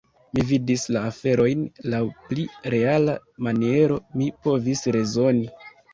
Mi vidis la aferojn laŭ pli reala maniero; mi povis rezoni.